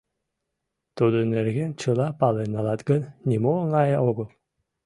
Тудын нерген чыла пален налат гын, нимо оҥай огыл.